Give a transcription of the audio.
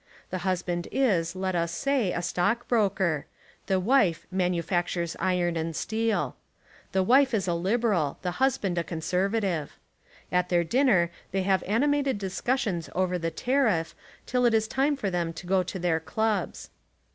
The husband is, let us say, a stock broker: the wife manufac tures iron and steel. The wife is a Liberal, the husband a Conservative. At their dinner they have animated discussions over the tariff till it is time for them to go to their clubs.